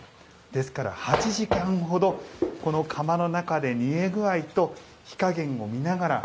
ですから、８時間ほどこの釜の中で煮え具合と火加減を見ながら。